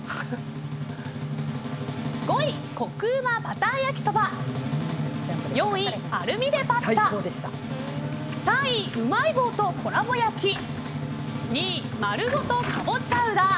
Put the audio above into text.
５位、コクうまバター焼きそば４位、アルミでパッツァ３位、うまい棒とコラボ焼き２位、丸ごとかぼチャウダー